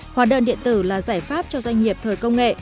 hóa đơn điện tử là giải pháp cho doanh nghiệp thời công nghệ